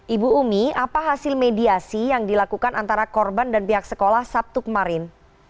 ibu umi apa hasil mediasi yang dilakukan antara korban dan pihak sekolah sabtu kemarin